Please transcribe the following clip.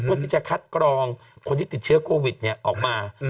เพื่อที่จะคัดกรองคนที่ติดเชื้อโควิดออกมา